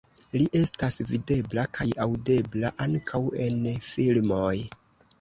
Li estas videbla kaj aŭdebla ankaŭ en filmoj.